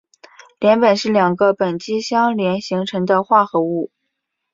联苯是两个苯基相连形成的化合物。